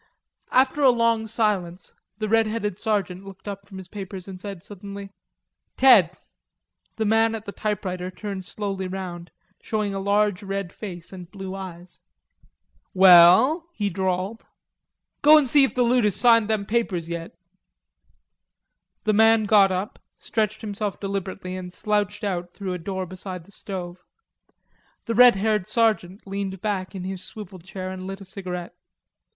After a long silence the red headed sergeant looked up from his papers and said suddenly: "Ted." The man at the typewriter turned slowly round, showing a large red face and blue eyes. "We ell," he drawled. "Go in an' see if the loot has signed them papers yet." The man got up, stretched himself deliberately, and slouched out through a door beside the stove. The red haired sergeant leaned back in his swivel chair and lit a cigarette.